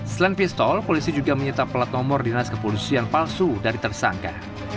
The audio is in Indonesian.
selain pistol polisi juga menyita plat nomor dinas kepolisian palsu dari tersangka